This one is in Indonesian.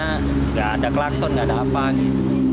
tidak ada klakson tidak ada apa apa